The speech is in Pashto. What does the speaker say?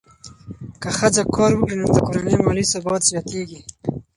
که ښځه کار وکړي، نو د کورنۍ مالي ثبات زیاتېږي.